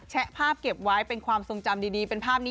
ภาพเก็บไว้เป็นความทรงจำดีเป็นภาพนี้